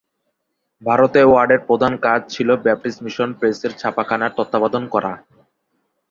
ভারতে ওয়ার্ডের প্রধান কাজ ছিল ব্যাপ্টিস্ট মিশন প্রেসের ছাপাখানার তত্ত্বাবধান করা।